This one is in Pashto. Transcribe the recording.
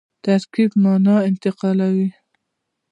ترکیب مانا انتقالوي.